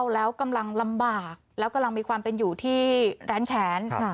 แล้วกำลังลำบากแล้วกำลังมีความเป็นอยู่ที่ร้านแค้น